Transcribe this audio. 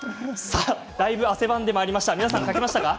だいぶ汗ばんでまいりました。